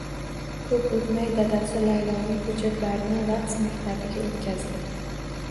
Ko`p o`tmay dadasi Layloning hujjatlarini raqs maktabiga o`tqazdi